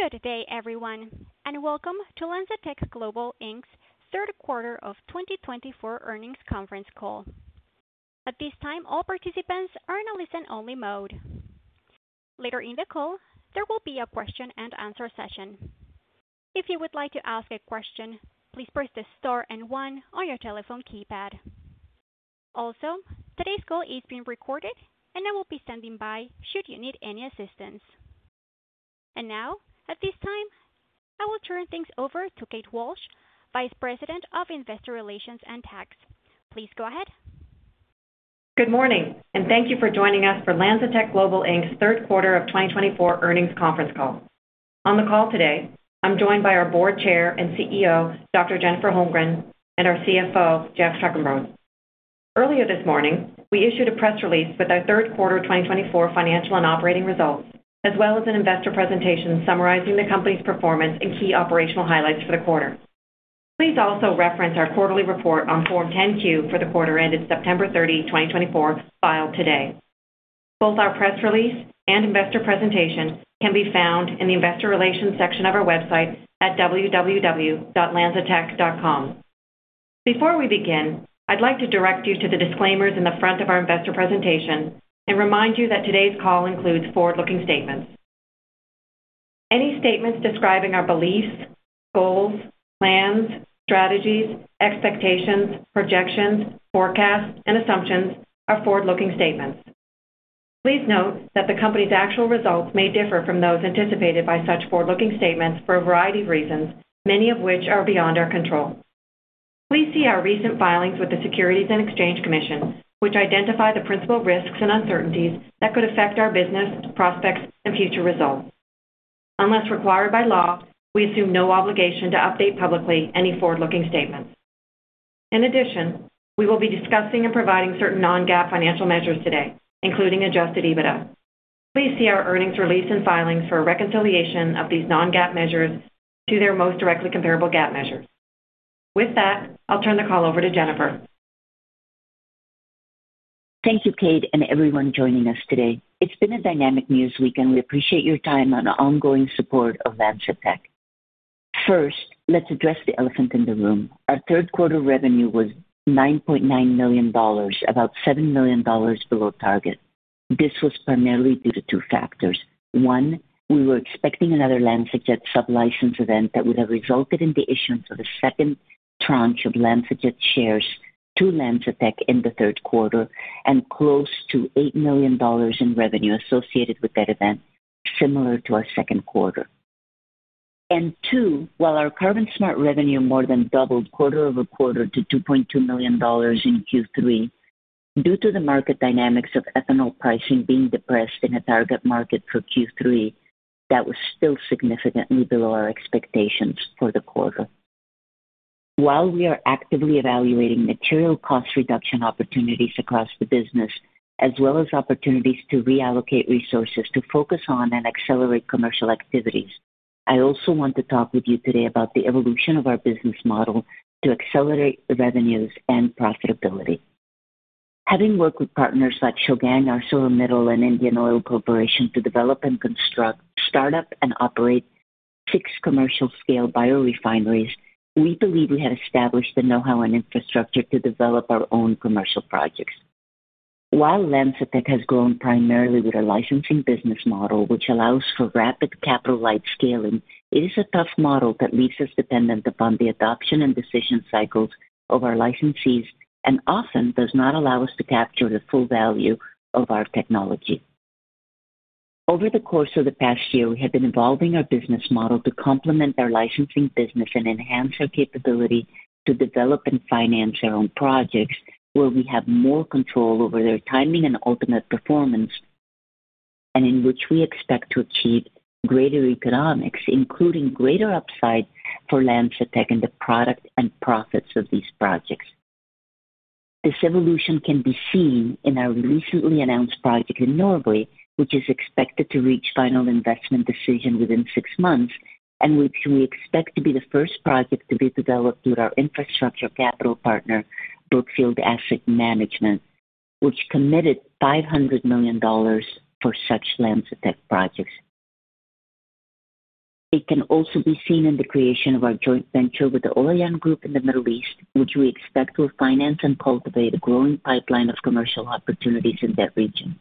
Good day, everyone, and welcome to LanzaTech Global Inc Third Quarter of 2024 Earnings Conference Call. At this time, all participants are in a listen-only mode. Later in the call, there will be a question-and-answer session. If you would like to ask a question, please press the star and one on your telephone keypad. Also, today's call is being recorded, and I will be standing by should you need any assistance. And now, at this time, I will turn things over to Kate Walsh, Vice President of Investor Relations and Tax. Please go ahead. Good morning, and thank you for joining us for LanzaTech Global Inc Third Quarter of 2024 Earnings Conference Call. On the call today, I'm joined by our Board Chair and CEO, Dr. Jennifer Holmgren, and our CFO, Geoff Trukenbrod. Earlier this morning, we issued a press release with our third quarter 2024 financial and operating results, as well as an investor presentation summarizing the company's performance and key operational highlights for the quarter. Please also reference our quarterly report on Form 10-Q for the quarter ended September 30, 2024, filed today. Both our press release and investor presentation can be found in the investor relations section of our website at www.lanzatech.com. Before we begin, I'd like to direct you to the disclaimers in the front of our investor presentation and remind you that today's call includes forward-looking statements. Any statements describing our beliefs, goals, plans, strategies, expectations, projections, forecasts, and assumptions are forward-looking statements. Please note that the company's actual results may differ from those anticipated by such forward-looking statements for a variety of reasons, many of which are beyond our control. Please see our recent filings with the Securities and Exchange Commission, which identify the principal risks and uncertainties that could affect our business, prospects, and future results. Unless required by law, we assume no obligation to update publicly any forward-looking statements. In addition, we will be discussing and providing certain non-GAAP financial measures today, including Adjusted EBITDA. Please see our earnings release and filings for a reconciliation of these non-GAAP measures to their most directly comparable GAAP measures. With that, I'll turn the call over to Jennifer. Thank you, Kate, and everyone joining us today. It's been a dynamic news week, and we appreciate your time and ongoing support of LanzaTech. First, let's address the elephant in the room. Our third quarter revenue was $9.9 million, about $7 million below target. This was primarily due to two factors. One, we were expecting another LanzaTech sub-license event that would have resulted in the issuance of a second tranche of LanzaJet shares to LanzaTech in the third quarter and close to $8 million in revenue associated with that event, similar to our second quarter, and two, while our CarbonSmart revenue more than doubled quarter over quarter to $2.2 million in Q3, due to the market dynamics of ethanol pricing being depressed in a target market for Q3, that was still significantly below our expectations for the quarter. While we are actively evaluating material cost reduction opportunities across the business, as well as opportunities to reallocate resources to focus on and accelerate commercial activities, I also want to talk with you today about the evolution of our business model to accelerate revenues and profitability. Having worked with partners like Shougang, ArcelorMittal, and Indian Oil Corporation to develop and construct, start up, and operate six commercial-scale biorefineries, we believe we have established the know-how and infrastructure to develop our own commercial projects. While LanzaTech has grown primarily with a licensing business model, which allows for rapid capital light scaling, it is a tough model that leaves us dependent upon the adoption and decision cycles of our licensees and often does not allow us to capture the full value of our technology. Over the course of the past year, we have been evolving our business model to complement our licensing business and enhance our capability to develop and finance our own projects where we have more control over their timing and ultimate performance, and in which we expect to achieve greater economics, including greater upside for LanzaTech in the product and profits of these projects. This evolution can be seen in our recently announced project in Norway, which is expected to reach final investment decision within six months, and which we expect to be the first project to be developed with our infrastructure capital partner, Brookfield Asset Management, which committed $500 million for such LanzaTech projects. It can also be seen in the creation of our joint venture with the Olayan Group in the Middle East, which we expect will finance and cultivate a growing pipeline of commercial opportunities in that region.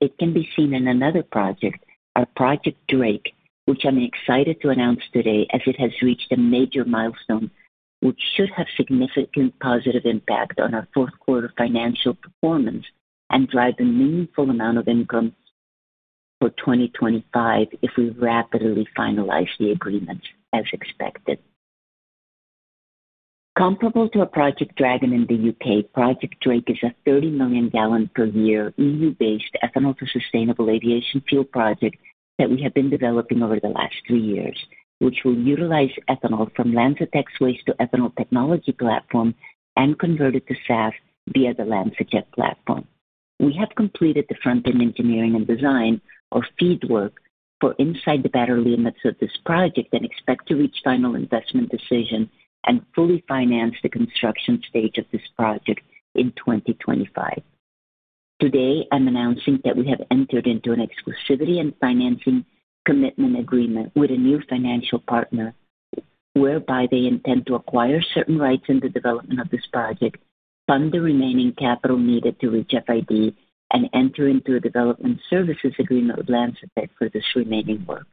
It can be seen in another project, our Project Drake, which I'm excited to announce today as it has reached a major milestone which should have significant positive impact on our fourth quarter financial performance and drive a meaningful amount of income for 2025 if we rapidly finalize the agreements as expected. Comparable to Project Dragon in the U.K., Project Drake is a 30 million gallons per year EU-based ethanol-to-sustainable aviation fuel project that we have been developing over the last three years, which will utilize ethanol from LanzaTech's waste-to-ethanol technology platform and convert it to SAF via the LanzaTech platform. We have completed the front-end engineering and design or FEED work for inside the battery limits of this project and expect to reach final investment decision and fully finance the construction stage of this project in 2025. Today, I'm announcing that we have entered into an exclusivity and financing commitment agreement with a new financial partner, whereby they intend to acquire certain rights in the development of this project, fund the remaining capital needed to reach FID, and enter into a development services agreement with LanzaTech for this remaining work.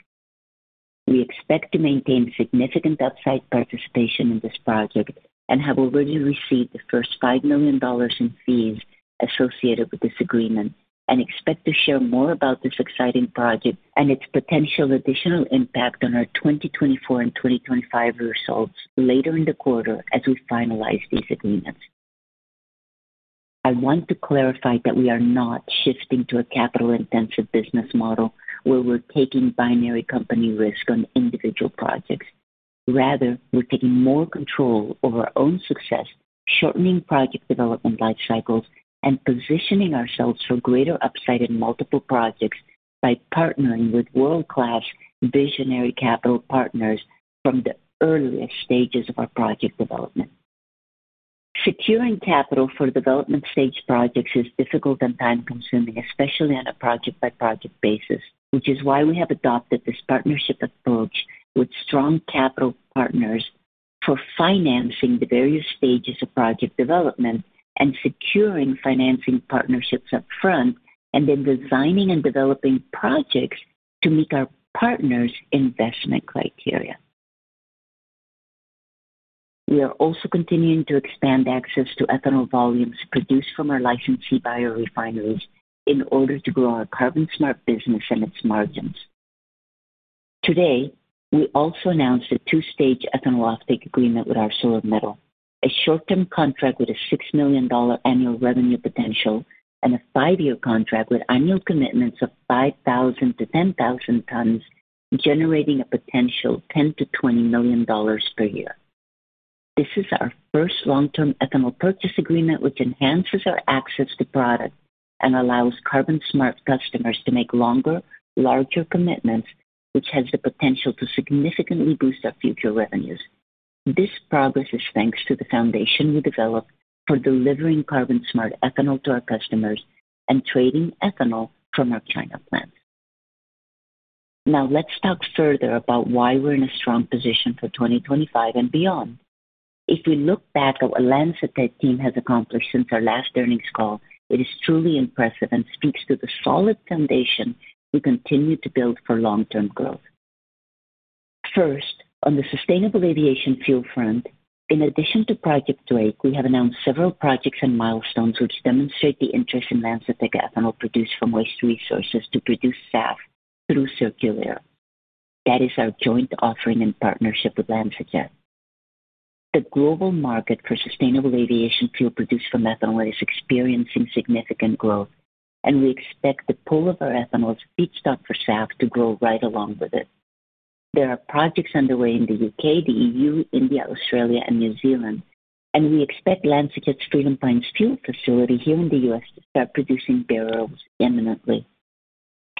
We expect to maintain significant upside participation in this project and have already received the first $5 million in fees associated with this agreement and expect to share more about this exciting project and its potential additional impact on our 2024 and 2025 results later in the quarter as we finalize these agreements. I want to clarify that we are not shifting to a capital-intensive business model where we're taking binary company risk on individual projects. Rather, we're taking more control over our own success, shortening project development life cycles, and positioning ourselves for greater upside in multiple projects by partnering with world-class visionary capital partners from the earliest stages of our project development. Securing capital for development-stage projects is difficult and time-consuming, especially on a project-by-project basis, which is why we have adopted this partnership approach with strong capital partners for financing the various stages of project development and securing financing partnerships upfront and then designing and developing projects to meet our partners' investment criteria. We are also continuing to expand access to ethanol volumes produced from our licensee biorefineries in order to grow our CarbonSmart business and its margins. Today, we also announced a two-stage ethanol offtake agreement with ArcelorMittal, a short-term contract with a $6 million annual revenue potential, and a five-year contract with annual commitments of 5,000-10,000 tons, generating a potential $10 million-$20 million per year. This is our first long-term ethanol purchase agreement, which enhances our access to product and allows CarbonSmart customers to make longer, larger commitments, which has the potential to significantly boost our future revenues. This progress is thanks to the foundation we developed for delivering CarbonSmart ethanol to our customers and trading ethanol from our China plants. Now, let's talk further about why we're in a strong position for 2025 and beyond. If we look back at what LanzaTech team has accomplished since our last earnings call, it is truly impressive and speaks to the solid foundation we continue to build for long-term growth. First, on the sustainable aviation fuel front, in addition to Project Drake, we have announced several projects and milestones which demonstrate the interest in LanzaTech ethanol produced from waste resources to produce SAF through circular. That is our joint offering in partnership with LanzaTech. The global market for sustainable aviation fuel produced from ethanol is experiencing significant growth, and we expect the pull of our ethanol's feedstock for SAF to grow right along with it. There are projects underway in the U.K., the EU, India, Australia, and New Zealand, and we expect LanzaTech's Freedom Pines Fuels facility here in the U.S. to start producing barrels imminently.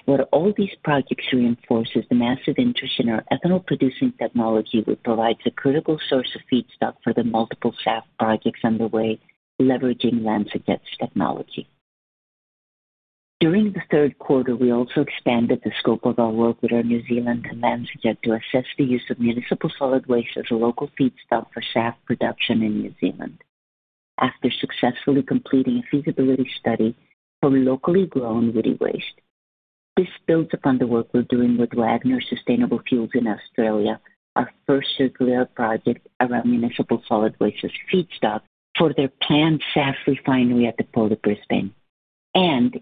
What all these projects reinforce is the massive interest in our ethanol-producing technology, which provides a critical source of feedstock for the multiple SAF projects underway, leveraging LanzaTech's technology. During the third quarter, we also expanded the scope of our work with Air New Zealand and LanzaTech to assess the use of municipal solid waste as a local feedstock for SAF production in New Zealand, after successfully completing a feasibility study for locally grown woody waste. This builds upon the work we're doing with Wagner Sustainable Fuels in Australia, our first circular project around municipal solid waste as feedstock for their planned SAF refinery at the Port of Brisbane.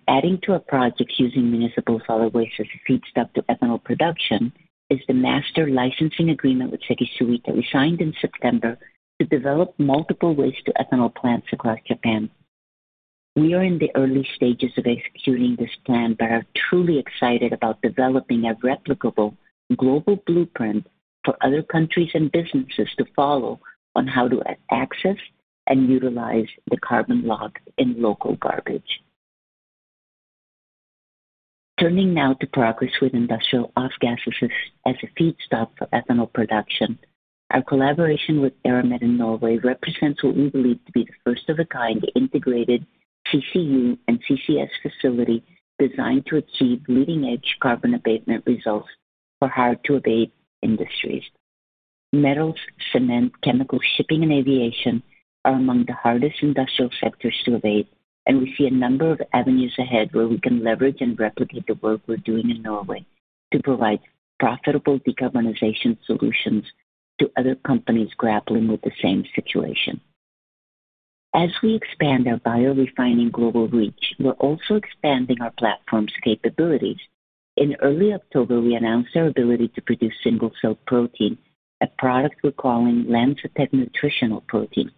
Adding to our projects using municipal solid waste as a feedstock to ethanol production is the master licensing agreement with Sekisui, that we signed in September to develop multiple waste-to-ethanol plants across Japan. We are in the early stages of executing this plan, but are truly excited about developing a replicable global blueprint for other countries and businesses to follow on how to access and utilize the carbon locked in local garbage. Turning now to progress with industrial off-gases as a feedstock for ethanol production, our collaboration with Eramet in Norway represents what we believe to be the first-of-its-kind integrated CCU and CCS facility designed to achieve leading-edge carbon abatement results for hard-to-abate industries. Metals, cement, chemicals, shipping, and aviation are among the hardest industrial sectors to abate, and we see a number of avenues ahead where we can leverage and replicate the work we're doing in Norway to provide profitable decarbonization solutions to other companies grappling with the same situation. As we expand our biorefining global reach, we're also expanding our platform's capabilities. In early October, we announced our ability to produce single-celled protein, a product we're calling LanzaTech Nutritional Protein.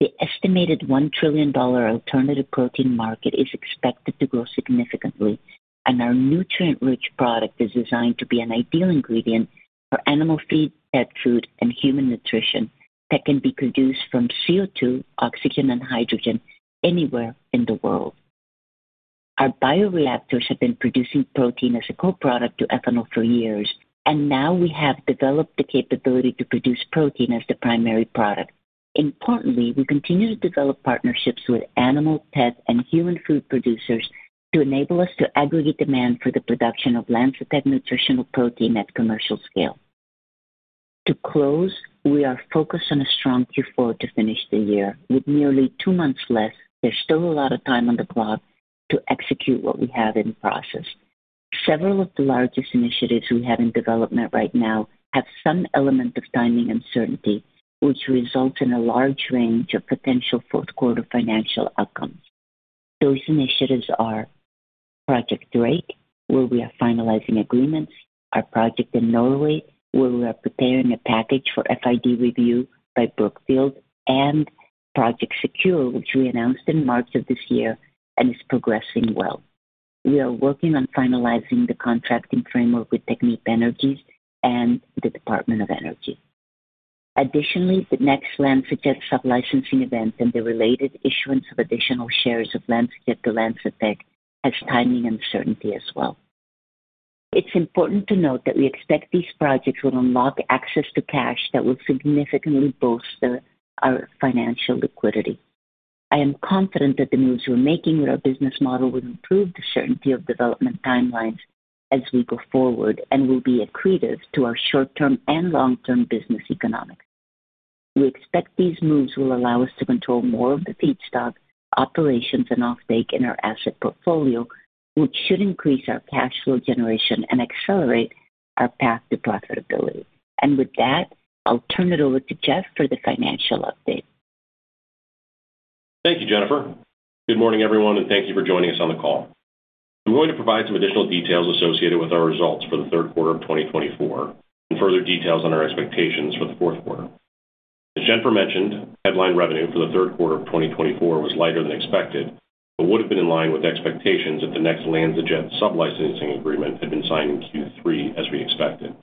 The estimated $1 trillion alternative protein market is expected to grow significantly, and our nutrient-rich product is designed to be an ideal ingredient for animal feed, pet food, and human nutrition that can be produced from CO2, oxygen, and hydrogen anywhere in the world. Our bioreactors have been producing protein as a co-product to ethanol for years, and now we have developed the capability to produce protein as the primary product. Importantly, we continue to develop partnerships with animal, pet, and human food producers to enable us to aggregate demand for the production of LanzaTech Nutritional Protein at commercial scale. To close, we are focused on a strong Q4 to finish the year. With merely two months left, there's still a lot of time on the clock to execute what we have in process. Several of the largest initiatives we have in development right now have some element of timing uncertainty, which results in a large range of potential fourth-quarter financial outcomes. Those initiatives are Project Drake, where we are finalizing agreements, our project in Norway, where we are preparing a package for FID review by Brookfield, and Project SECURE, which we announced in March of this year and is progressing well. We are working on finalizing the contracting framework with Technip Energies and the Department of Energy. Additionally, the next LanzaTech sub-licensing event and the related issuance of additional shares of LanzaJet to LanzaTech has timing uncertainty as well. It's important to note that we expect these projects will unlock access to cash that will significantly bolster our financial liquidity. I am confident that the moves we're making with our business model will improve the certainty of development timelines as we go forward and will be accretive to our short-term and long-term business economics. We expect these moves will allow us to control more of the feedstock operations and offtake in our asset portfolio, which should increase our cash flow generation and accelerate our path to profitability, and with that, I'll turn it over to Geoff for the financial update. Thank you, Jennifer. Good morning, everyone, and thank you for joining us on the call. I'm going to provide some additional details associated with our results for the third quarter of 2024 and further details on our expectations for the fourth quarter. As Jennifer mentioned, headline revenue for the third quarter of 2024 was lighter than expected but would have been in line with expectations if the next LanzaTech sub-licensing agreement had been signed in Q3, as we expected.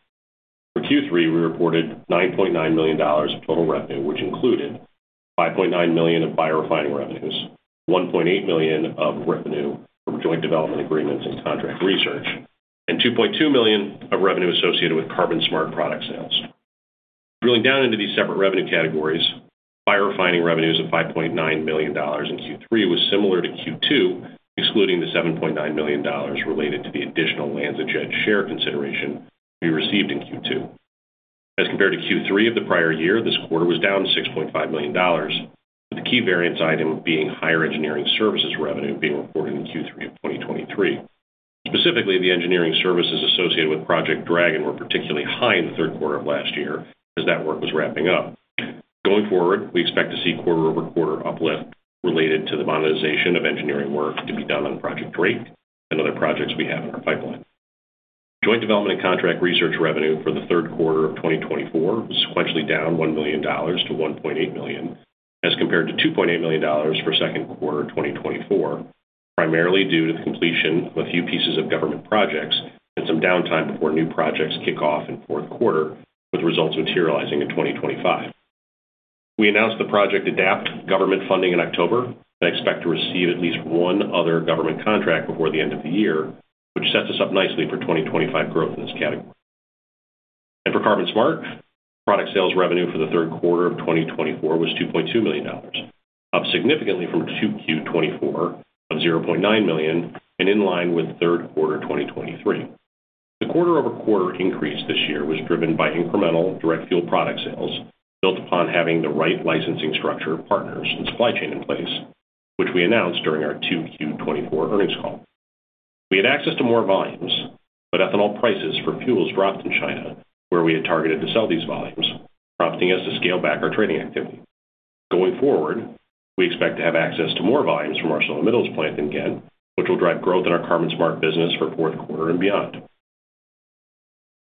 For Q3, we reported $9.9 million of total revenue, which included $5.9 million of biorefining revenues, $1.8 million of revenue from joint development agreements and contract research, and $2.2 million of revenue associated with CarbonSmart product sales. Drilling down into these separate revenue categories, biorefining revenues of $5.9 million in Q3 was similar to Q2, excluding the $7.9 million related to the additional LanzaTech share consideration we received in Q2. As compared to Q3 of the prior year, this quarter was down $6.5 million, with the key variance item being higher engineering services revenue being reported in Q3 of 2023. Specifically, the engineering services associated with Project Dragon were particularly high in the third quarter of last year as that work was wrapping up. Going forward, we expect to see quarter-over-quarter uplift related to the monetization of engineering work to be done on Project Drake and other projects we have in our pipeline. Joint development and contract research revenue for the third quarter of 2024 was sequentially down $1 million-$1.8 million, as compared to $2.8 million for second quarter of 2024, primarily due to the completion of a few pieces of government projects and some downtime before new projects kick off in fourth quarter, with results materializing in 2025. We announced the Project ADAPT government funding in October and expect to receive at least one other government contract before the end of the year, which sets us up nicely for 2025 growth in this category. For CarbonSmart, product sales revenue for the third quarter of 2024 was $2.2 million, up significantly from Q2 of 2024 of $0.9 million, and in line with third quarter 2023. The quarter-over-quarter increase this year was driven by incremental direct fuel product sales built upon having the right licensing structure, partners, and supply chain in place, which we announced during our Q2 of 2024 earnings call. We had access to more volumes, but ethanol prices for fuels dropped in China, where we had targeted to sell these volumes, prompting us to scale back our trading activity. Going forward, we expect to have access to more volumes from ArcelorMittal's plant in Ghent, which will drive growth in our CarbonSmart business for fourth quarter and beyond.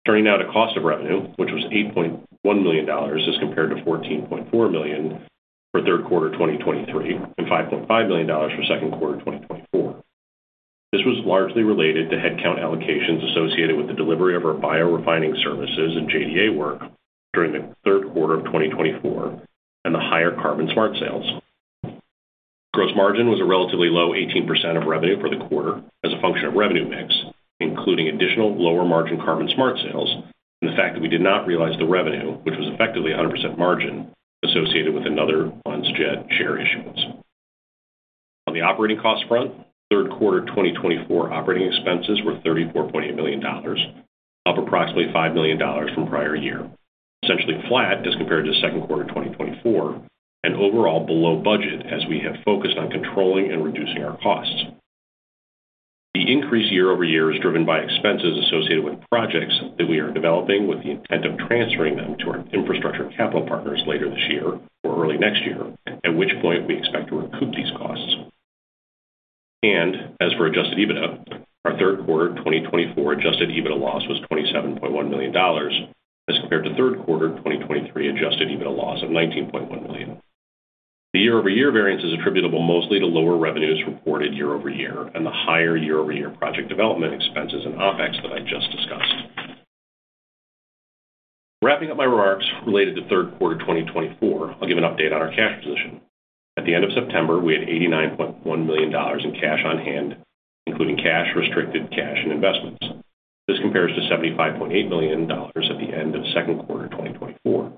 Turning now to cost of revenue, which was $8.1 million as compared to $14.4 million for third quarter 2023 and $5.5 million for second quarter 2024. This was largely related to headcount allocations associated with the delivery of our biorefining services and JDA work during the third quarter of 2024 and the higher CarbonSmart sales. Gross margin was a relatively low 18% of revenue for the quarter as a function of revenue mix, including additional lower margin CarbonSmart sales and the fact that we did not realize the revenue, which was effectively 100% margin, associated with another LanzaTech share issuance. On the operating cost front, third quarter 2024 operating expenses were $34.8 million, up approximately $5 million from prior year, essentially flat as compared to second quarter 2024, and overall below budget as we have focused on controlling and reducing our costs. The increase year over year is driven by expenses associated with projects that we are developing with the intent of transferring them to our infrastructure capital partners later this year or early next year, at which point we expect to recoup these costs, and as for Adjusted EBITDA, our third quarter 2024 Adjusted EBITDA loss was $27.1 million as compared to third quarter 2023 Adjusted EBITDA loss of $19.1 million. The year-over-year variance is attributable mostly to lower revenues reported year over year and the higher year-over-year project development expenses and OpEx that I just discussed. Wrapping up my remarks related to third quarter 2024, I'll give an update on our cash position. At the end of September, we had $89.1 million in cash on hand, including cash, restricted cash, and investments. This compares to $75.8 million at the end of second quarter 2024.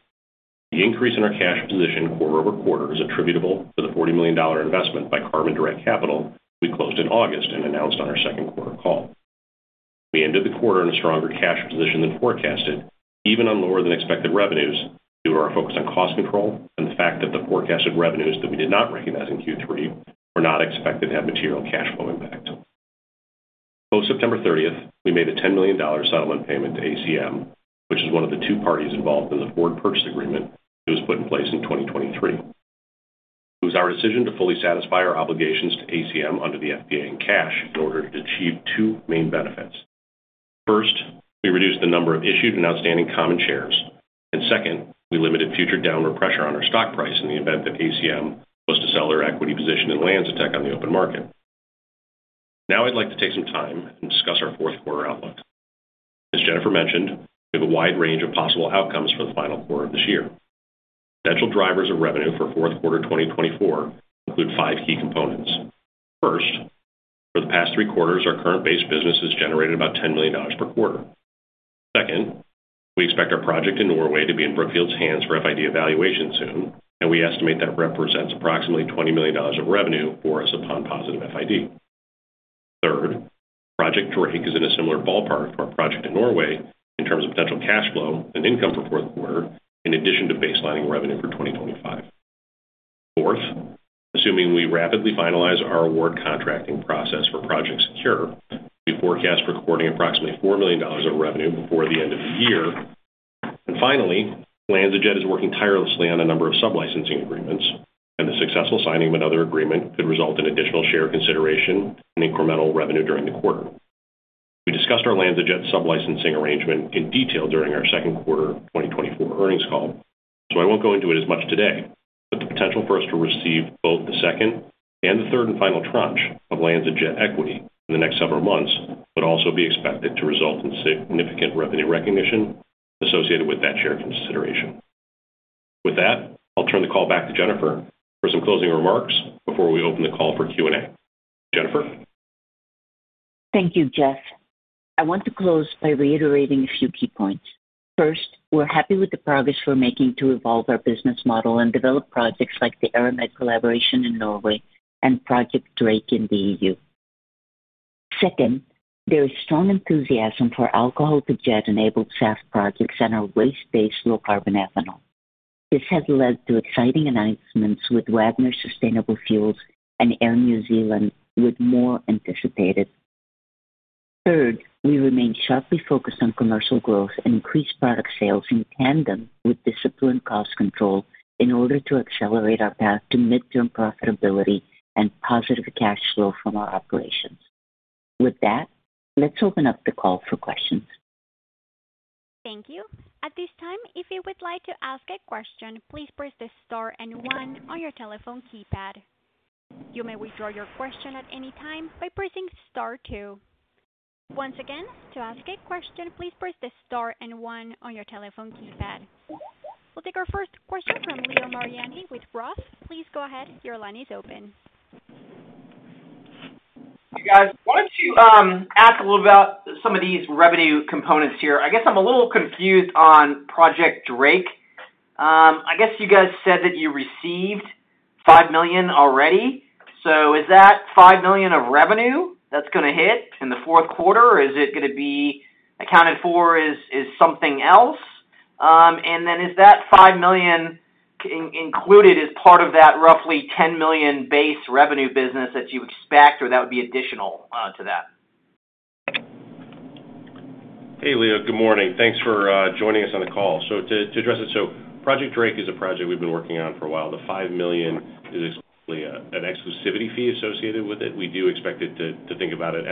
The increase in our cash position quarter over quarter is attributable to the $40 million investment by Carbon Direct Capital we closed in August and announced on our second quarter call. We ended the quarter in a stronger cash position than forecasted, even on lower than expected revenues due to our focus on cost control and the fact that the forecasted revenues that we did not recognize in Q3 were not expected to have material cash flow impact. Post-September 30th, we made a $10 million settlement payment to ACM, which is one of the two parties involved in the forward purchase agreement that was put in place in 2023. It was our decision to fully satisfy our obligations to ACM under the FPA and cash in order to achieve two main benefits. First, we reduced the number of issued and outstanding common shares, and second, we limited future downward pressure on our stock price in the event that ACM was to sell their equity position in LanzaTech on the open market. Now I'd like to take some time and discuss our fourth quarter outlook. As Jennifer mentioned, we have a wide range of possible outcomes for the final quarter of this year. Potential drivers of revenue for fourth quarter 2024 include five key components. First, for the past three quarters, our current base business has generated about $10 million per quarter. Second, we expect our project in Norway to be in Brookfield's hands for FID evaluation soon, and we estimate that represents approximately $20 million of revenue for us upon positive FID. Third, Project Drake is in a similar ballpark to our project in Norway in terms of potential cash flow and income for fourth quarter, in addition to baselining revenue for 2025. Fourth, assuming we rapidly finalize our award contracting process for Project SECURE, we forecast recording approximately $4 million of revenue before the end of the year. And finally, LanzaTech is working tirelessly on a number of sub-licensing agreements, and the successful signing of another agreement could result in additional share consideration and incremental revenue during the quarter. We discussed our LanzaTech sub-licensing arrangement in detail during our second quarter 2024 earnings call, so I won't go into it as much today, but the potential for us to receive both the second and the third and final tranche of LanzaTech equity in the next several months would also be expected to result in significant revenue recognition associated with that share consideration. With that, I'll turn the call back to Jennifer for some closing remarks before we open the call for Q&A. Jennifer? Thank you, Geoff. I want to close by reiterating a few key points. First, we're happy with the progress we're making to evolve our business model and develop projects like the Eramet collaboration in Norway and Project Drake in the EU. Second, there is strong enthusiasm for alcohol-to-jet-enabled SAF projects and our waste-based low-carbon ethanol. This has led to exciting announcements with Wagner Sustainable Fuels and Air New Zealand, with more anticipated. Third, we remain sharply focused on commercial growth and increased product sales in tandem with disciplined cost control in order to accelerate our path to midterm profitability and positive cash flow from our operations. With that, let's open up the call for questions. Thank you. At this time, if you would like to ask a question, please press the star and one on your telephone keypad. You may withdraw your question at any time by pressing star two. Once again, to ask a question, please press the star and one on your telephone keypad. We'll take our first question from Leo Mariani with Roth. Please go ahead. Your line is open. Hey, guys. I wanted to ask a little about some of these revenue components here. I guess I'm a little confused on Project Drake. I guess you guys said that you received $5 million already. So is that $5 million of revenue that's going to hit in the fourth quarter? Is it going to be accounted for as something else? And then is that $5 million included as part of that roughly $10 million base revenue business that you expect, or that would be additional to that? Hey, Leo. Good morning. Thanks for joining us on the call. So to address it, Project Drake is a project we've been working on for a while. The $5 million is an exclusivity fee associated with it. We do expect to think about it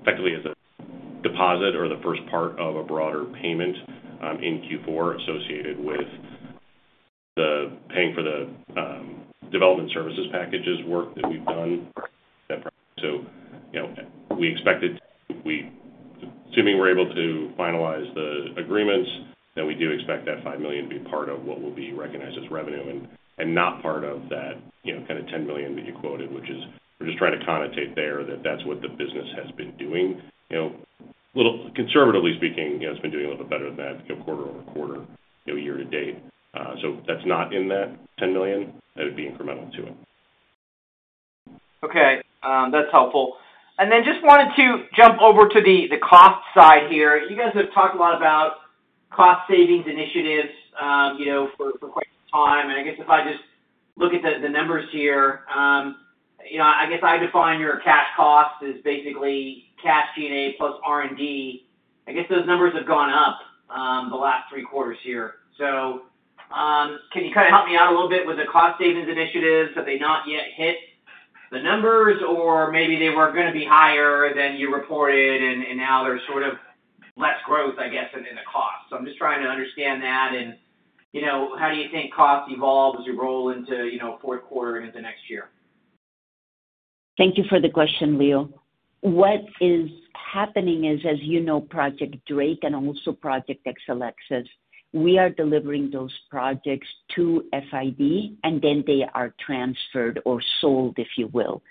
effectively as a deposit or the first part of a broader payment in Q4 associated with the paying for the development services packages work that we've done that. So we expect it to, assuming we're able to finalize the agreements, then we do expect that $5 million to be part of what will be recognized as revenue and not part of that kind of $10 million that you quoted, which is we're just trying to connote there that that's what the business has been doing. Conservatively speaking, it's been doing a little bit better than that quarter over quarter year to date. So if that's not in that $10 million, that would be incremental to it. Okay. That's helpful. And then just wanted to jump over to the cost side here. You guys have talked a lot about cost savings initiatives for quite some time. And I guess if I just look at the numbers here, I guess I define your cash cost as basically cash G&A plus R&D. I guess those numbers have gone up the last three quarters here. So can you kind of help me out a little bit with the cost savings initiatives? Have they not yet hit the numbers, or maybe they were going to be higher than you reported, and now there's sort of less growth, I guess, in the cost? So I'm just trying to understand that, and how do you think cost evolves your role into fourth quarter and into next year? Thank you for the question, Leo. What is happening is, as you know, Project Drake and also Project Eramet, we are delivering those projects to FID, and then they are transferred or sold, if you will.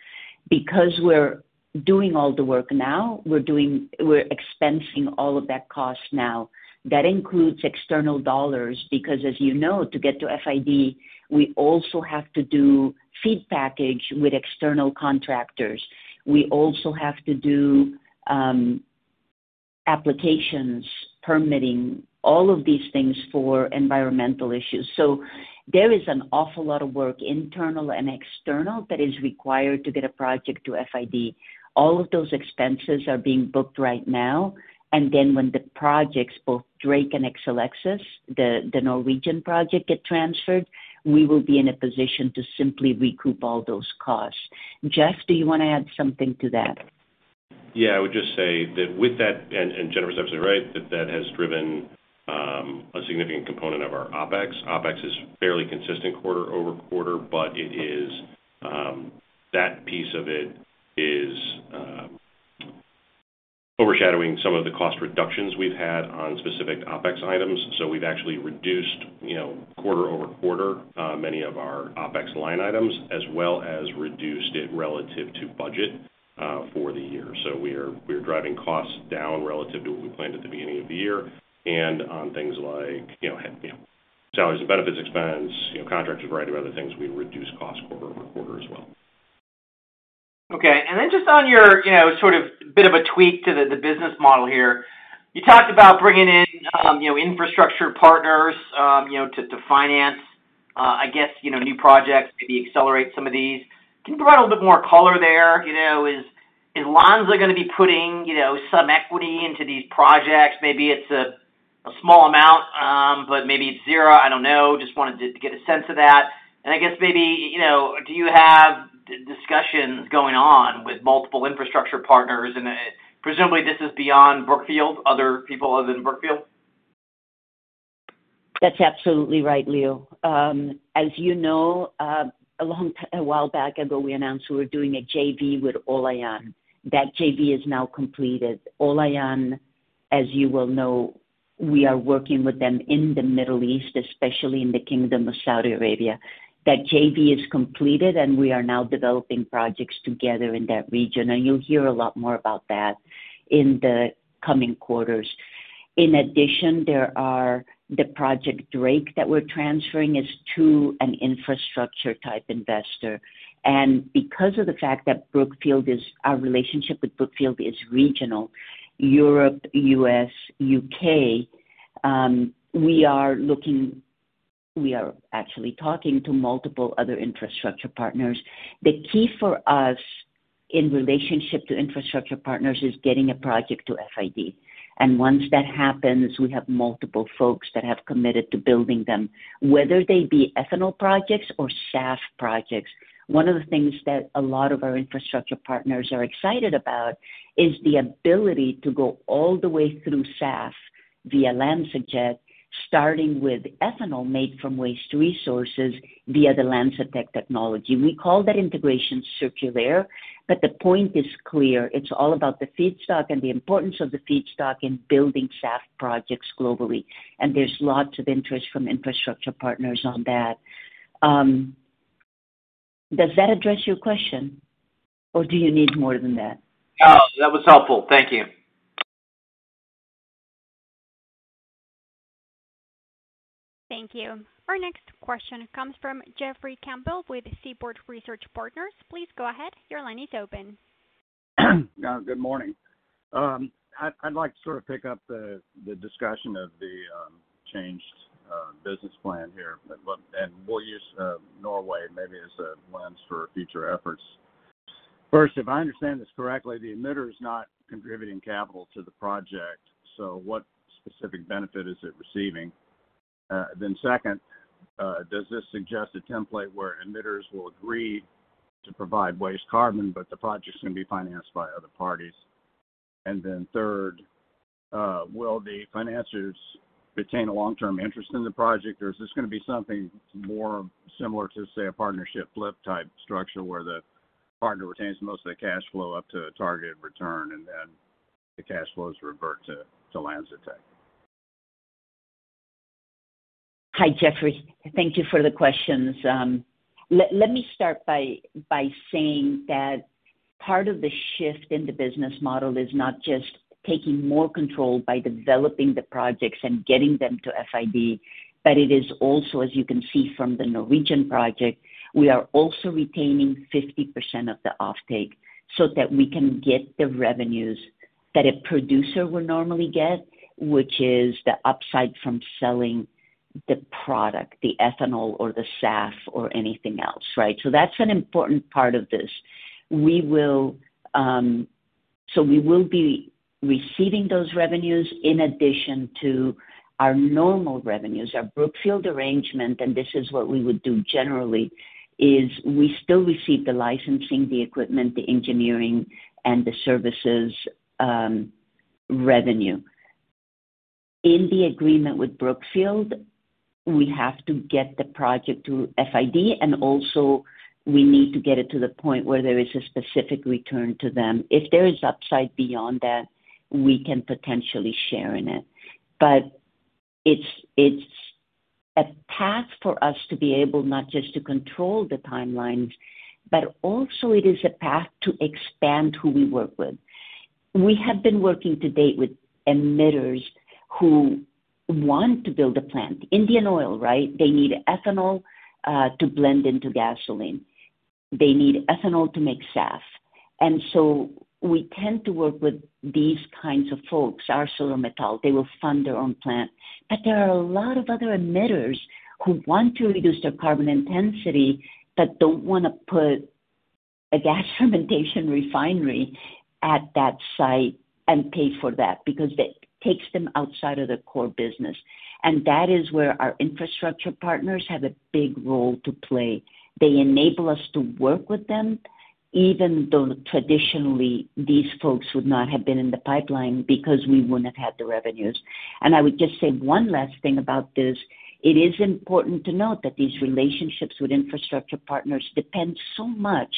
Because we're doing all the work now, we're expensing all of that cost now. That includes external dollars because, as you know, to get to FID, we also have to do FEED package with external contractors. We also have to do applications, permitting, all of these things for environmental issues. So there is an awful lot of work, internal and external, that is required to get a project to FID. All of those expenses are being booked right now. And then when the projects, both Drake and Eramet, the Norwegian project, get transferred, we will be in a position to simply recoup all those costs. Jeff, do you want to add something to that? Yeah. I would just say that with that, and Jennifer's absolutely right, that that has driven a significant component of our OpEx. OpEx is fairly consistent quarter over quarter, but that piece of it is overshadowing some of the cost reductions we've had on specific OpEx items. So we've actually reduced quarter over quarter many of our OpEx line items, as well as reduced it relative to budget for the year. So we're driving costs down relative to what we planned at the beginning of the year. And on things like salaries and benefits expense, contracts, a variety of other things, we reduce cost quarter over quarter as well. Okay. And then just on your sort of bit of a tweak to the business model here, you talked about bringing in infrastructure partners to finance, I guess, new projects, maybe accelerate some of these. Can you provide a little bit more color there? Is Lanza going to be putting some equity into these projects? Maybe it's a small amount, but maybe it's zero. I don't know. Just wanted to get a sense of that. I guess maybe do you have discussions going on with multiple infrastructure partners? And presumably this is beyond Brookfield, other people other than Brookfield? That's absolutely right, Leo. As you know, a while back ago, we announced we were doing a JV with Olayan. That JV is now completed. Olayan, as you will know, we are working with them in the Middle East, especially in the Kingdom of Saudi Arabia. That JV is completed, and we are now developing projects together in that region. And you'll hear a lot more about that in the coming quarters. In addition, the Project Dragon that we're transferring is to an infrastructure type investor. And because of the fact that our relationship with Brookfield is regional, Europe, U.S., U.K., we are actually talking to multiple other infrastructure partners. The key for us in relationship to infrastructure partners is getting a project to FID. And once that happens, we have multiple folks that have committed to building them, whether they be ethanol projects or SAF projects. One of the things that a lot of our infrastructure partners are excited about is the ability to go all the way through SAF via LanzaTech, starting with ethanol made from waste resources via the LanzaTech technology. We call that integration circular, but the point is clear. It's all about the feedstock and the importance of the feedstock in building SAF projects globally. And there's lots of interest from infrastructure partners on that. Does that address your question, or do you need more than that? No, that was helpful. Thank you. Thank you. Our next question comes from Jeffrey Campbell with Seaport Research Partners. Please go ahead. Your line is open. Good morning. I'd like to sort of pick up the discussion of the changed business plan here. And we'll use Norway maybe as a lens for future efforts. First, if I understand this correctly, the emitter is not contributing capital to the project, so what specific benefit is it receiving? Then second, does this suggest a template where emitters will agree to provide waste carbon, but the project's going to be financed by other parties? And then third, will the financiers retain a long-term interest in the project, or is this going to be something more similar to, say, a partnership flip type structure where the partner retains most of the cash flow up to a targeted return, and then the cash flows revert to LanzaTech? Hi, Jeffrey. Thank you for the questions. Let me start by saying that part of the shift in the business model is not just taking more control by developing the projects and getting them to FID, but it is also, as you can see from the Norwegian project, we are also retaining 50% of the offtake so that we can get the revenues that a producer will normally get, which is the upside from selling the product, the ethanol or the SAF or anything else, right? So that's an important part of this. So we will be receiving those revenues in addition to our normal revenues. Our Brookfield arrangement, and this is what we would do generally, is we still receive the licensing, the equipment, the engineering, and the services revenue. In the agreement with Brookfield, we have to get the project to FID, and also we need to get it to the point where there is a specific return to them. If there is upside beyond that, we can potentially share in it. But it's a path for us to be able not just to control the timelines, but also it is a path to expand who we work with. We have been working to date with emitters who want to build a plant. Indian Oil, right? They need ethanol to blend into gasoline. They need ethanol to make SAF. And so we tend to work with these kinds of folks, ArcelorMittal. They will fund their own plant. But there are a lot of other emitters who want to reduce their carbon intensity but don't want to put a gas fermentation refinery at that site and pay for that because it takes them outside of the core business. And that is where our infrastructure partners have a big role to play. They enable us to work with them, even though traditionally these folks would not have been in the pipeline because we wouldn't have had the revenues. And I would just say one last thing about this. It is important to note that these relationships with infrastructure partners depend so much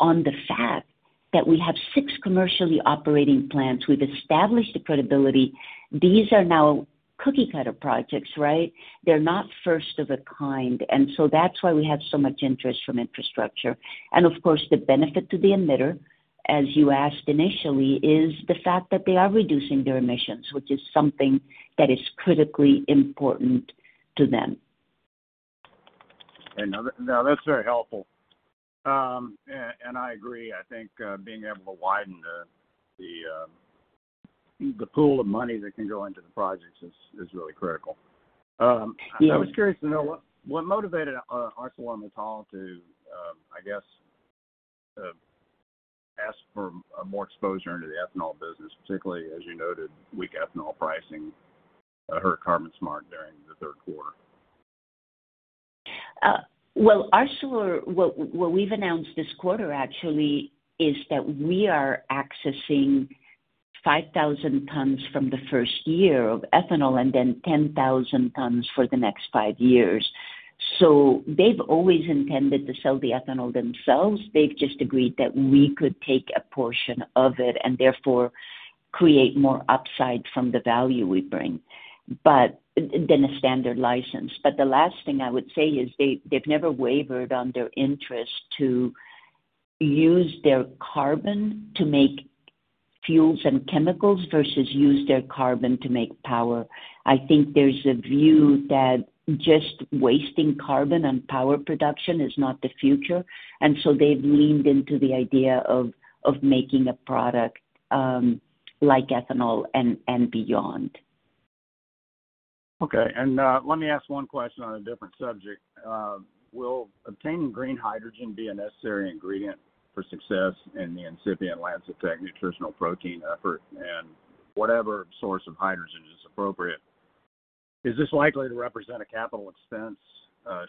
on the fact that we have six commercially operating plants. We've established the credibility. These are now cookie-cutter projects, right? They're not first of a kind. And so that's why we have so much interest from infrastructure. Of course, the benefit to the emitter, as you asked initially, is the fact that they are reducing their emissions, which is something that is critically important to them. Now, that's very helpful. I agree. I think being able to widen the pool of money that can go into the projects is really critical. I was curious to know what motivated ArcelorMittal to, I guess, ask for more exposure into the ethanol business, particularly, as you noted, weak ethanol pricing hurt CarbonSmart during the third quarter. What we've announced this quarter, actually, is that we are accessing 5,000 tons from the first year of ethanol and then 10,000 tons for the next five years. So they've always intended to sell the ethanol themselves. They've just agreed that we could take a portion of it and therefore create more upside from the value we bring, then a standard license. But the last thing I would say is they've never wavered on their interest to use their carbon to make fuels and chemicals versus use their carbon to make power. I think there's a view that just wasting carbon on power production is not the future. And so they've leaned into the idea of making a product like ethanol and beyond. Okay, and let me ask one question on a different subject. Will obtaining green hydrogen be a necessary ingredient for success in the incipient LanzaTech nutritional protein effort and whatever source of hydrogen is appropriate? Is this likely to represent a capital expense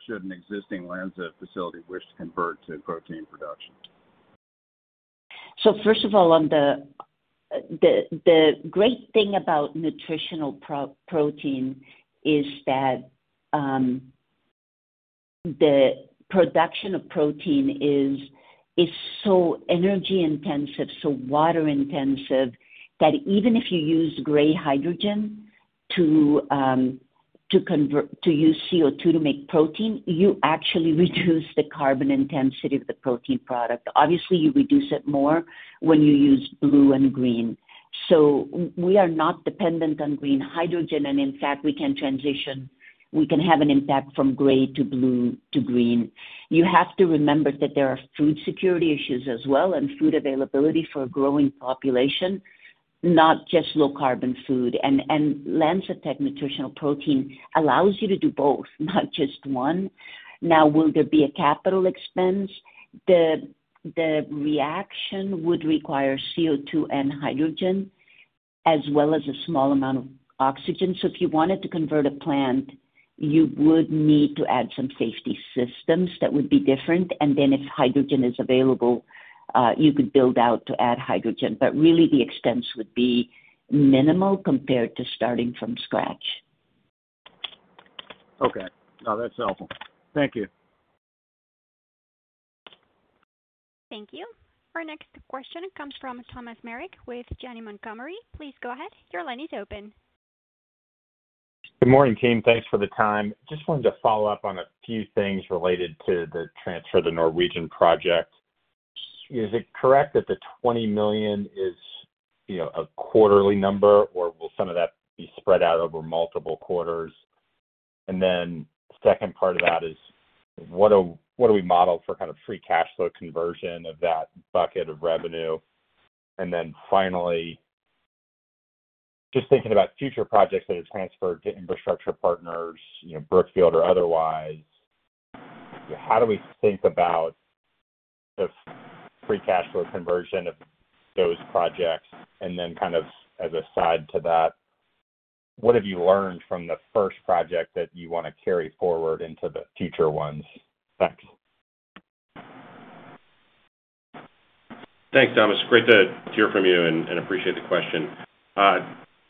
should an existing LanzaTech facility wish to convert to protein production? So first of all, the great thing about nutritional protein is that the production of protein is so energy-intensive, so water-intensive that even if you use gray hydrogen to use CO2 to make protein, you actually reduce the carbon intensity of the protein product. Obviously, you reduce it more when you use blue and green. So we are not dependent on green hydrogen. And in fact, we can have an impact from gray to blue to green. You have to remember that there are food security issues as well and food availability for a growing population, not just low-carbon food. And LanzaTech Nutritional Protein allows you to do both, not just one. Now, will there be a capital expense? The reaction would require CO2 and hydrogen as well as a small amount of oxygen. So if you wanted to convert a plant, you would need to add some safety systems that would be different. And then if hydrogen is available, you could build out to add hydrogen. But really, the expense would be minimal compared to starting from scratch. Okay. No, that's helpful. Thank you. Thank you. Our next question comes from Thomas Meric with Janney Montgomery. Please go ahead. Your line is open. Good morning, team. Thanks for the time. Just wanted to follow up on a few things related to the transfer of the Norwegian project. Is it correct that the $20 million is a quarterly number, or will some of that be spread out over multiple quarters? And then the second part of that is, what do we model for kind of free cash flow conversion of that bucket of revenue? And then finally, just thinking about future projects that are transferred to infrastructure partners, Brookfield or otherwise, how do we think about the free cash flow conversion of those projects? And then kind of as a side to that, what have you learned from the first project that you want to carry forward into the future ones? Thanks. Thanks, Thomas. Great to hear from you and appreciate the question.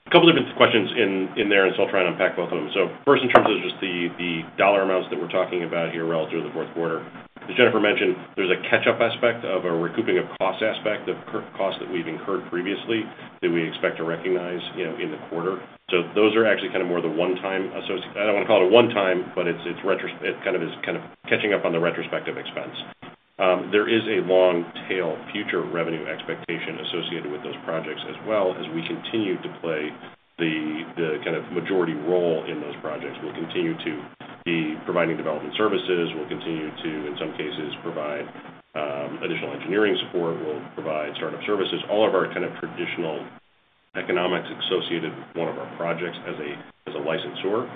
A couple of different questions in there, and so I'll try and unpack both of them. So first, in terms of just the dollar amounts that we're talking about here relative to the fourth quarter, as Jennifer mentioned, there's a catch-up aspect of a recouping of cost aspect of cost that we've incurred previously that we expect to recognize in the quarter. So those are actually kind of more of the one-time associated. I don't want to call it a one-time, but it kind of is kind of catching up on the retrospective expense. There is a long-tail future revenue expectation associated with those projects as well as we continue to play the kind of majority role in those projects. We'll continue to be providing development services. We'll continue to, in some cases, provide additional engineering support. We'll provide startup services. All of our kind of traditional economics associated with one of our projects as a licensor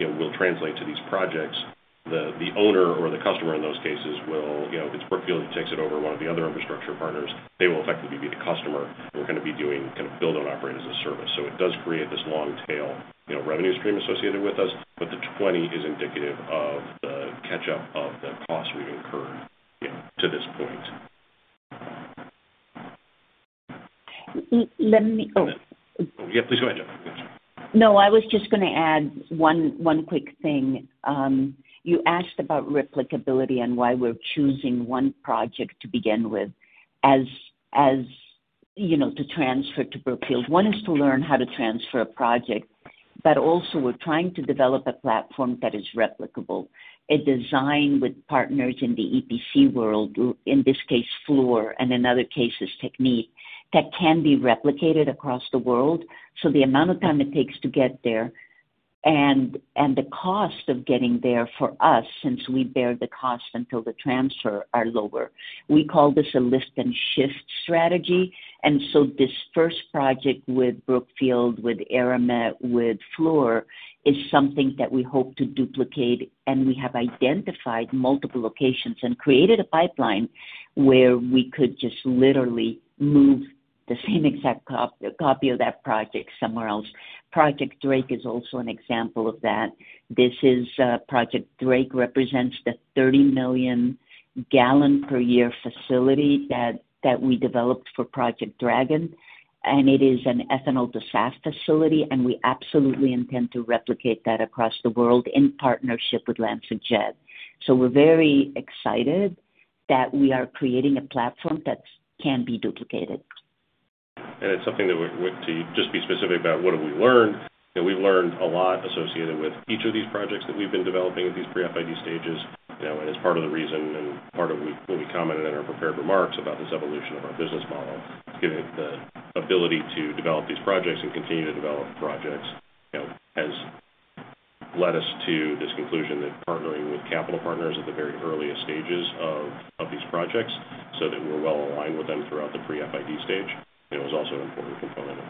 will translate to these projects. The owner or the customer in those cases will, if it's Brookfield that takes it over, one of the other infrastructure partners, they will effectively be the customer. We're going to be doing kind of build-own-operate as a service. So it does create this long-tail revenue stream associated with us, but the 20 is indicative of the catch-up of the costs we've incurred to this point. Oh, yeah. Please go ahead, Jennifer. No, I was just going to add one quick thing. You asked about replicability and why we're choosing one project to begin with as to transfer to Brookfield. One is to learn how to transfer a project, but also we're trying to develop a platform that is replicable, a design with partners in the EPC world, in this case, Fluor, and in other cases, Technip, that can be replicated across the world. So the amount of time it takes to get there and the cost of getting there for us, since we bear the cost until the transfer, are lower. We call this a lift-and-shift strategy. And so this first project with Brookfield, with Eramet, with Fluor is something that we hope to duplicate. And we have identified multiple locations and created a pipeline where we could just literally move the same exact copy of that project somewhere else. Project Drake is also an example of that. This is Project Drake represents the 30 million gallons per year facility that we developed for Project Dragon. And it is an ethanol to SAF facility. And we absolutely intend to replicate that across the world in partnership with LanzaTech. So we're very excited that we are creating a platform that can be duplicated. And it's something that we're going to just be specific about what have we learned. We've learned a lot associated with each of these projects that we've been developing at these pre-FID stages. And it's part of the reason and part of what we commented in our prepared remarks about this evolution of our business model. The ability to develop these projects and continue to develop projects has led us to this conclusion that partnering with capital partners at the very earliest stages of these projects so that we're well aligned with them throughout the pre-FID stage was also an important component of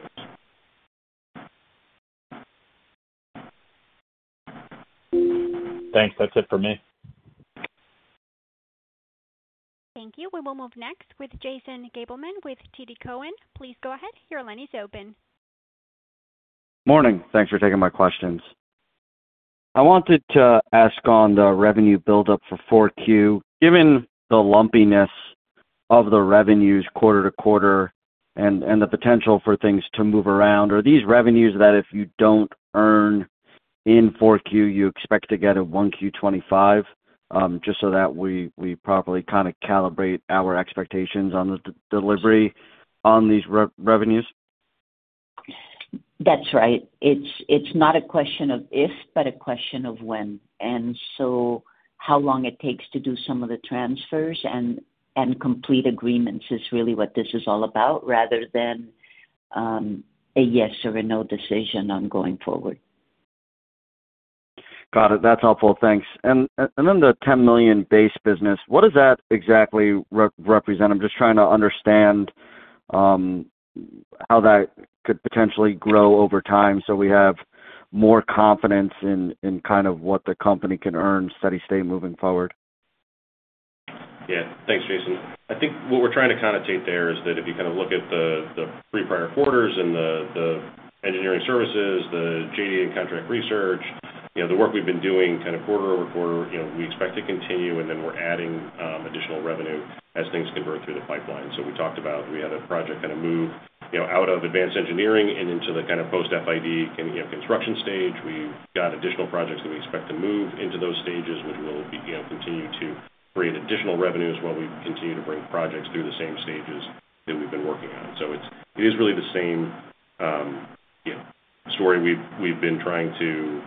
this. Thanks. That's it for me. Thank you. We will move next with Jason Gabelman with TD Cowen. Please go ahead. Your line is open. Morning. Thanks for taking my questions. I wanted to ask on the revenue build-up for 4Q. Given the lumpiness of the revenues quarter to quarter and the potential for things to move around, are these revenues that if you don't earn in 4Q, you expect to get in 1Q25 just so that we properly kind of calibrate our expectations on the delivery on these revenues? That's right. It's not a question of if, but a question of when. And so how long it takes to do some of the transfers and complete agreements is really what this is all about rather than a yes or a no decision on going forward. Got it. That's helpful. Thanks. And then the $10 million base business, what does that exactly represent? I'm just trying to understand how that could potentially grow over time so we have more confidence in kind of what the company can earn steady-state moving forward. Yeah. Thanks, Jason. I think what we're trying to kind of take there is that if you kind of look at the pre-prior quarters and the engineering services, the JD and contract research, the work we've been doing kind of quarter over quarter, we expect to continue, and then we're adding additional revenue as things convert through the pipeline, so we talked about we had a project kind of move out of advanced engineering and into the kind of post-FID construction stage. We've got additional projects that we expect to move into those stages, which will continue to create additional revenues while we continue to bring projects through the same stages that we've been working on, so it is really the same story we've been trying to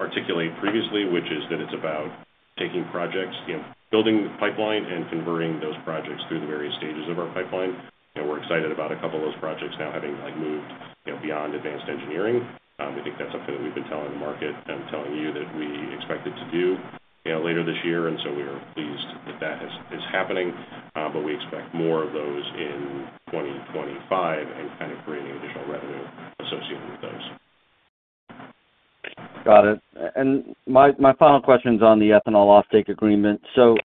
articulate previously, which is that it's about taking projects, building the pipeline, and converting those projects through the various stages of our pipeline. We're excited about a couple of those projects now having moved beyond advanced engineering. We think that's something that we've been telling the market and telling you that we expect it to do later this year. And so we are pleased that that is happening. But we expect more of those in 2025 and kind of creating additional revenue associated with those. Got it. And my final question is on the ethanol offtake agreement. So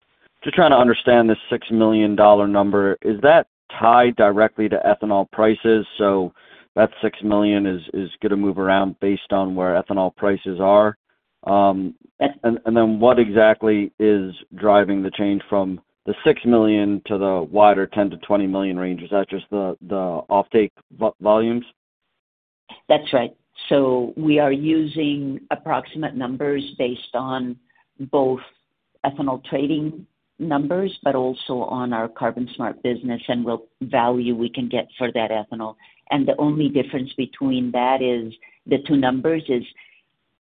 just trying to understand this $6 million number. Is that tied directly to ethanol prices? So that $6 million is going to move around based on where ethanol prices are. And then what exactly is driving the change from the $6 million to the wider $10 million-$20 million range? Is that just the offtake volumes? That's right. So we are using approximate numbers based on both ethanol trading numbers, but also on our CarbonSmart business and what value we can get for that ethanol. And the only difference between that is the two numbers is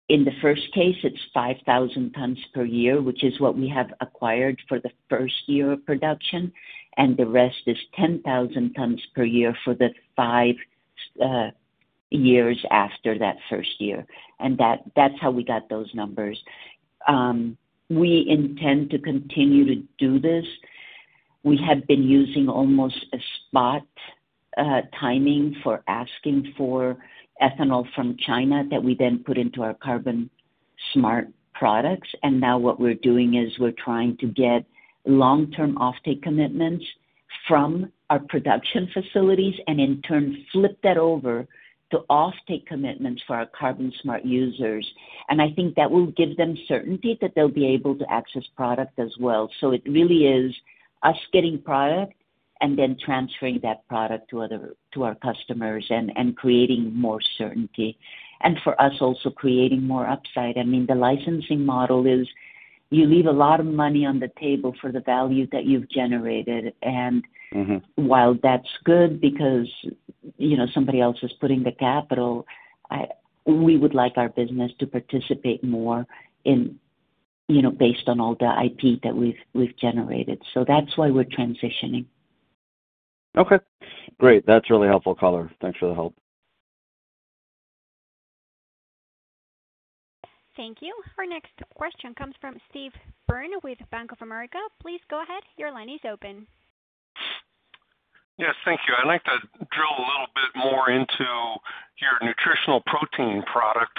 in the first case, it's 5,000 tons per year, which is what we have acquired for the first year of production. And the rest is 10,000 tons per year for the five years after that first year. And that's how we got those numbers. We intend to continue to do this. We have been using almost a spot timing for asking for ethanol from China that we then put into our CarbonSmart products. And now what we're doing is we're trying to get long-term offtake commitments from our production facilities and in turn flip that over to offtake commitments for our CarbonSmart users. And I think that will give them certainty that they'll be able to access product as well. So it really is us getting product and then transferring that product to our customers and creating more certainty. And for us, also creating more upside. I mean, the licensing model is you leave a lot of money on the table for the value that you've generated. And while that's good because somebody else is putting the capital, we would like our business to participate more based on all the IP that we've generated. So that's why we're transitioning. Okay. Great. That's really helpful, color. Thanks for the help. Thank you. Our next question comes from Steve Byrne with Bank of America. Please go ahead. Your line is open. Yes. Thank you. I'd like to drill a little bit more into your nutritional protein product.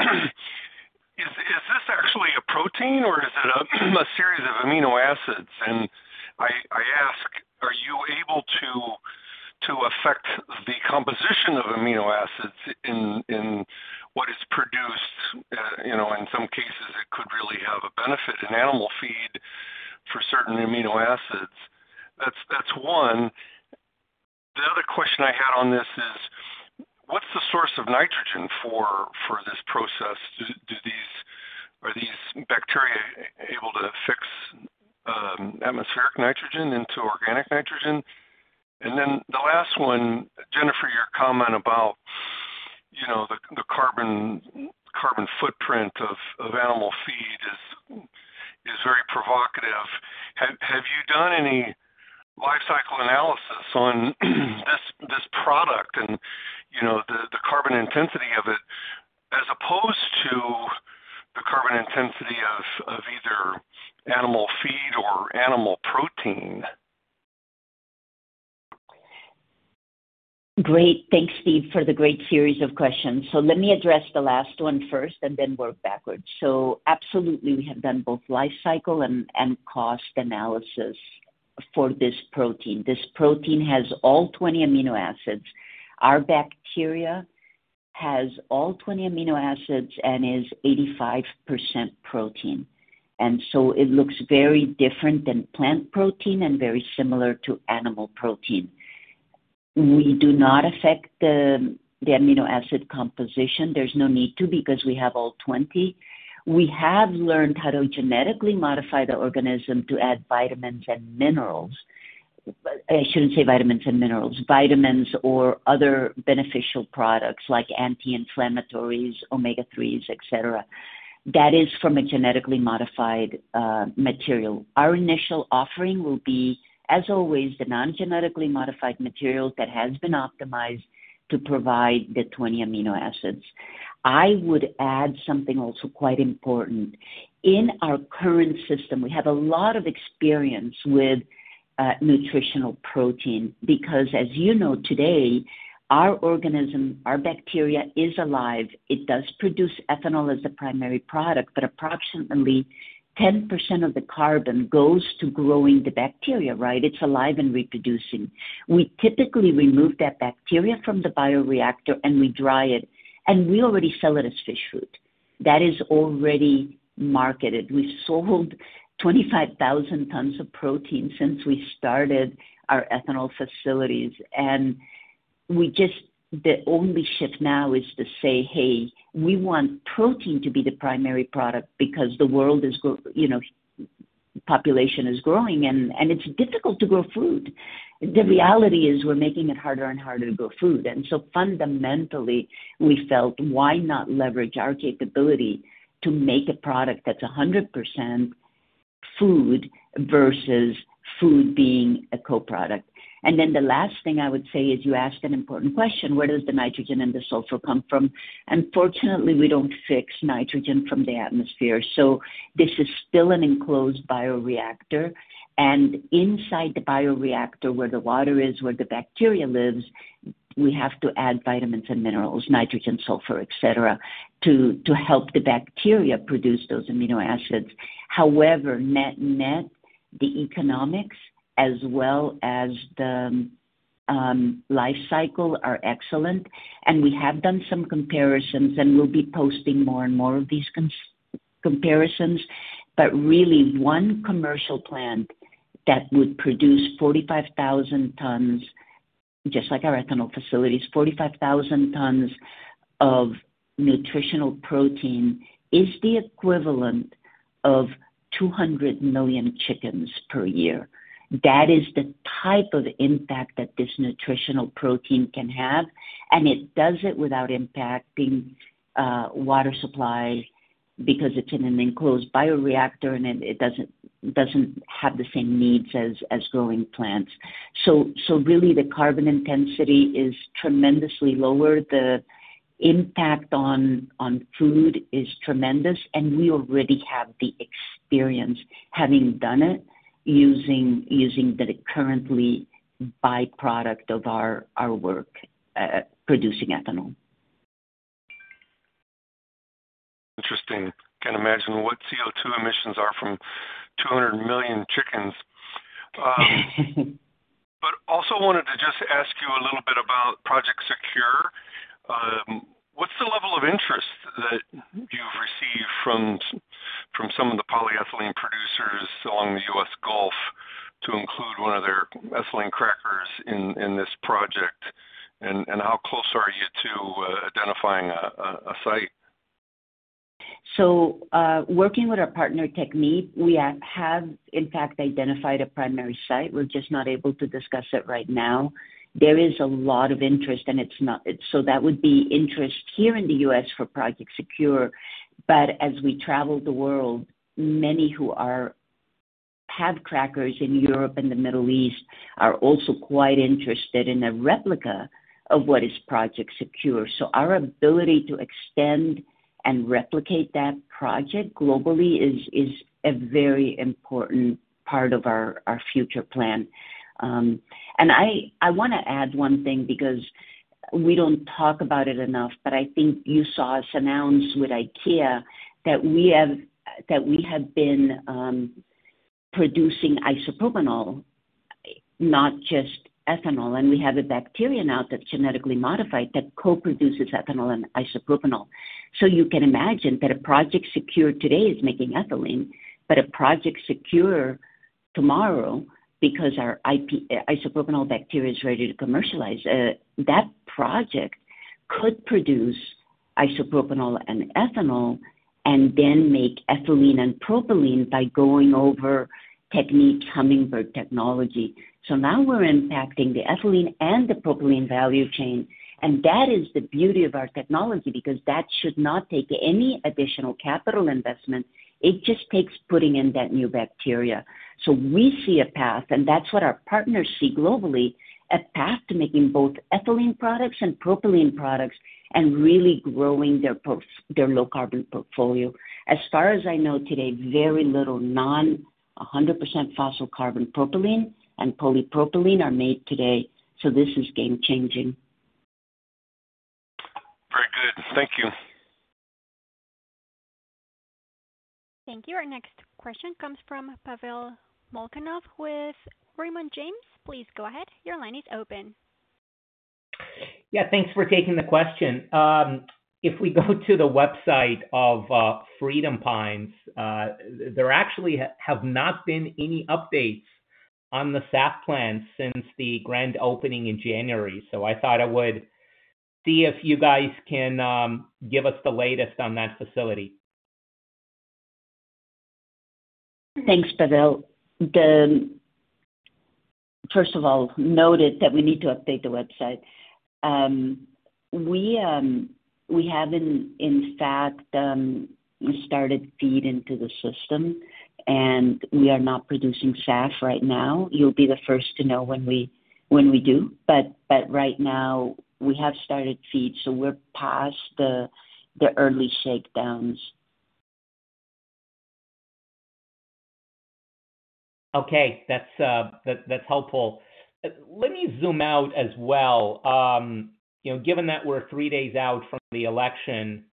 Is this actually a protein, or is it a series of amino acids? And I ask, are you able to affect the composition of amino acids in what is produced? In some cases, it could really have a benefit in animal feed for certain amino acids. That's one. The other question I had on this is, what's the source of nitrogen for this process? Are these bacteria able to fix atmospheric nitrogen into organic nitrogen? And then the last one, Jennifer, your comment about the carbon footprint of animal feed is very provocative. Have you done any life cycle analysis on this product and the carbon intensity of it as opposed to the carbon intensity of either animal feed or animal protein? Great. Thanks, Steve, for the great series of questions. So let me address the last one first and then work backwards. So absolutely, we have done both life cycle and cost analysis for this protein. This protein has all 20 amino acids. Our bacteria has all 20 amino acids and is 85% protein. And so it looks very different than plant protein and very similar to animal protein. We do not affect the amino acid composition. There's no need to because we have all 20. We have learned how to genetically modify the organism to add vitamins and minerals. I shouldn't say vitamins and minerals. Vitamins or other beneficial products like anti-inflammatories, omega-3s, etc. That is from a genetically modified material. Our initial offering will be, as always, the non-genetically modified material that has been optimized to provide the 20 amino acids. I would add something also quite important. In our current system, we have a lot of experience with nutritional protein because, as you know, today, our organism, our bacteria is alive. It does produce ethanol as the primary product, but approximately 10% of the carbon goes to growing the bacteria, right? It's alive and reproducing. We typically remove that bacteria from the bioreactor, and we dry it. And we already sell it as fish food. That is already marketed. We've sold 25,000 tons of protein since we started our ethanol facilities. And the only shift now is to say, "Hey, we want protein to be the primary product because the world's population is growing, and it's difficult to grow food." The reality is we're making it harder and harder to grow food. And so fundamentally, we felt, why not leverage our capability to make a product that's 100% food versus food being a co-product? And then the last thing I would say is you asked an important question. Where does the nitrogen and the sulfur come from? Unfortunately, we don't fix nitrogen from the atmosphere. So this is still an enclosed bioreactor. And inside the bioreactor, where the water is, where the bacteria lives, we have to add vitamins and minerals, nitrogen, sulfur, etc., to help the bacteria produce those amino acids. However, net-net, the economics as well as the life cycle are excellent. And we have done some comparisons, and we'll be posting more and more of these comparisons. But really, one commercial plant that would produce 45,000 tons, just like our ethanol facilities, 45,000 tons of nutritional protein is the equivalent of 200 million chickens per year. That is the type of impact that this nutritional protein can have. It does it without impacting water supply because it's in an enclosed bioreactor, and it doesn't have the same needs as growing plants. Really, the carbon intensity is tremendously lower. The impact on food is tremendous. We already have the experience having done it using the current byproduct of our work producing ethanol. Interesting. Can't imagine what CO2 emissions are from 200 million chickens. Also wanted to just ask you a little bit about Project SECURE. What's the level of interest that you've received from some of the polyethylene producers along the U.S. Gulf to include one of their ethylene crackers in this project? How close are you to identifying a site? Working with our partner, Technip Energies, we have, in fact, identified a primary site. We're just not able to discuss it right now. There is a lot of interest, and so that would be interest here in the U.S. for Project SECURE. But as we travel the world, many who have crackers in Europe and the Middle East are also quite interested in a replica of what is Project SECURE. So our ability to extend and replicate that project globally is a very important part of our future plan. And I want to add one thing because we don't talk about it enough, but I think you saw us announce with IKEA that we have been producing isopropanol, not just ethanol. And we have a bacteria now that's genetically modified that co-produces ethanol and isopropanol. So you can imagine that a Project SECURE today is making ethylene, but a Project SECURE tomorrow because our isopropanol bacteria is ready to commercialize. That project could produce isopropanol and ethanol and then make ethylene and propylene by going over Technip Energies' Hummingbird technology. So now we're impacting the ethylene and the propylene value chain. And that is the beauty of our technology because that should not take any additional capital investment. It just takes putting in that new bacteria. So we see a path, and that's what our partners see globally, a path to making both ethylene products and propylene products and really growing their low-carbon portfolio. As far as I know today, very little non-100% fossil carbon propylene and polypropylene are made today. So this is game-changing. Very good. Thank you. Thank you. Our next question comes from Pavel Molchanov with Raymond James. Please go ahead. Your line is open. Yeah. Thanks for taking the question. If we go to the website of Freedom Pines, there actually have not been any updates on the SAF plant since the grand opening in January. So I thought I would see if you guys can give us the latest on that facility. Thanks, Pavel. First of all, noted that we need to update the website. We have, in fact, started feed into the system, and we are not producing SAF right now. You'll be the first to know when we do. But right now, we have started feed, so we're past the early shakedowns. Okay. That's helpful. Let me zoom out as well. Given that we're three days out from the election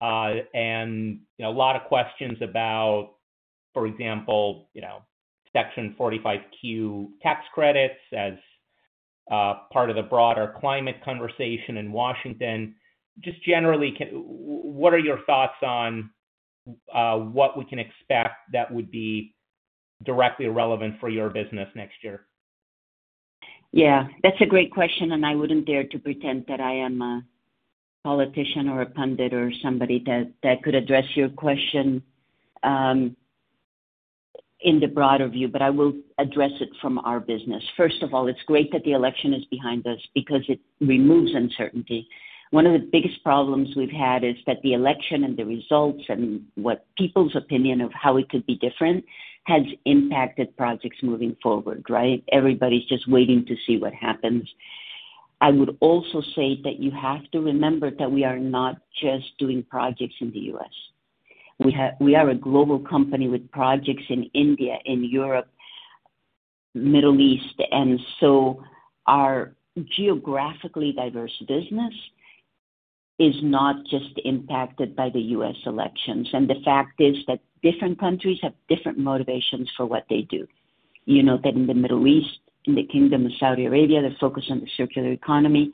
and a lot of questions about, for example, Section 45Q tax credits as part of the broader climate conversation in Washington, just generally, what are your thoughts on what we can expect that would be directly relevant for your business next year? Yeah. That's a great question, and I wouldn't dare to pretend that I am a politician or a pundit or somebody that could address your question in the broader view, but I will address it from our business. First of all, it's great that the election is behind us because it removes uncertainty. One of the biggest problems we've had is that the election and the results and what people's opinion of how it could be different has impacted projects moving forward, right? Everybody's just waiting to see what happens. I would also say that you have to remember that we are not just doing projects in the U.S. We are a global company with projects in India, in Europe, Middle East, and so our geographically diverse business is not just impacted by the U.S. elections, and the fact is that different countries have different motivations for what they do. You note that in the Middle East, in the Kingdom of Saudi Arabia, they're focused on the CirculAir economy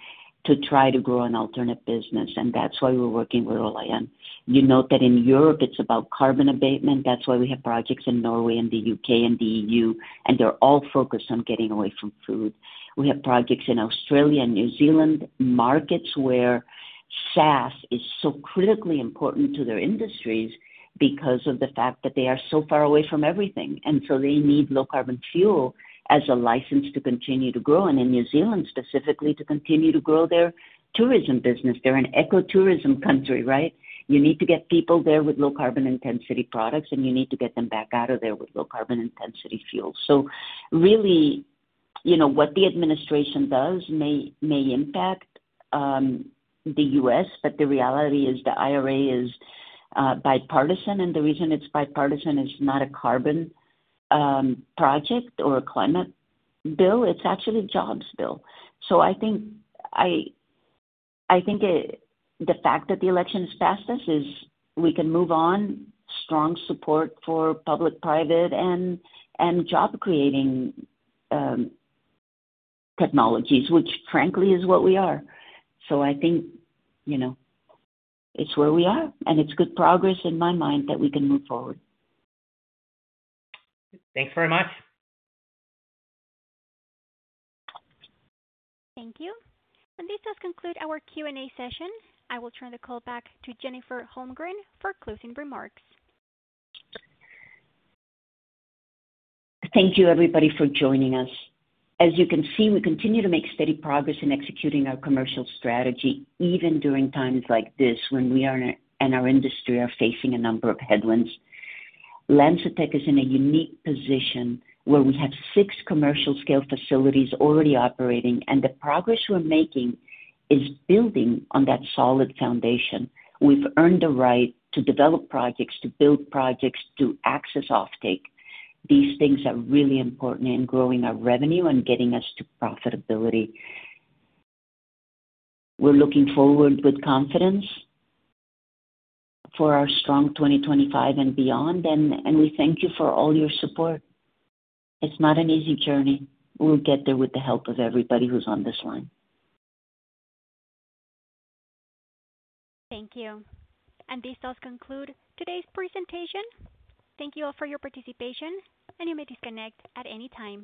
to try to grow an alternate business, and that's why we're working with Olayan. You note that in Europe, it's about carbon abatement. That's why we have projects in Norway and the U.K. and the EU, and they're all focused on getting away from food. We have projects in Australia and New Zealand, markets where SAF is so critically important to their industries because of the fact that they are so far away from everything, and so they need low-carbon fuel as a license to continue to grow, and in New Zealand, specifically, to continue to grow their tourism business. They're an ecotourism country, right? You need to get people there with low-carbon intensity products, and you need to get them back out of there with low-carbon intensity fuel, so really, what the administration does may impact the U.S., but the reality is the IRA is bipartisan, and the reason it's bipartisan is not a carbon project or a climate bill. It's actually a jobs bill. So I think the fact that the election has passed us is we can move on. Strong support for public, private, and job-creating technologies, which, frankly, is what we are. So I think it's where we are, and it's good progress in my mind that we can move forward. Thanks very much. Thank you. And this does conclude our Q&A session. I will turn the call back to Jennifer Holmgren for closing remarks. Thank you, everybody, for joining us. As you can see, we continue to make steady progress in executing our commercial strategy even during times like this when we and our industry are facing a number of headwinds. LanzaTech is in a unique position where we have six commercial-scale facilities already operating, and the progress we're making is building on that solid foundation. We've earned the right to develop projects, to build projects, to access offtake. These things are really important in growing our revenue and getting us to profitability. We're looking forward with confidence for our strong 2025 and beyond, and we thank you for all your support. It's not an easy journey. We'll get there with the help of everybody who's on this line. Thank you. And this does conclude today's presentation. Thank you all for your participation, and you may disconnect at any time.